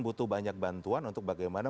butuh banyak bantuan untuk bagaimana